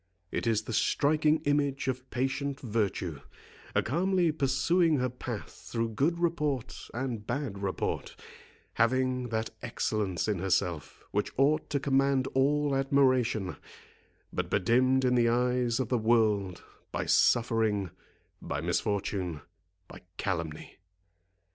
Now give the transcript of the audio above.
It is the striking image of patient virtue, calmly pursuing her path through good report and bad report, having that excellence in herself which ought to command all admiration, but bedimmed in the eyes of the world, by suffering, by misfortune, by calumny.